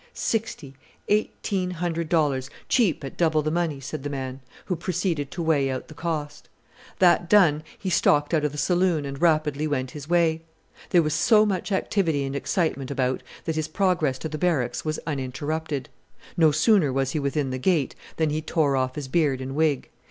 "Sixty! eighteen hundred dollars, cheap at double the money," said the man, who proceeded to weigh out the cost. That done he stalked out of the saloon and rapidly went his way. There was so much activity and excitement about that his progress to the Barracks was uninterrupted. No sooner was he within the gate than he tore off his beard and wig.